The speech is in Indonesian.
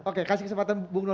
oke kasih kesempatan bu nurni dulu